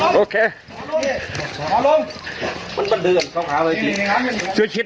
นอนลงเดี๋ยว